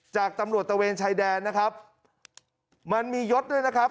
จากตำรวจตะเวนชายแดนนะครับมันมียศด้วยนะครับ